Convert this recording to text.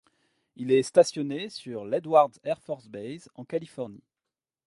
Il est stationné sur l'Edwards Air Force Base en Californie.